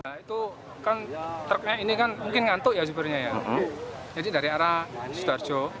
mau menyalip notut ternyata kena juga